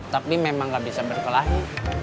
tapi memang nggak bisa berkelahi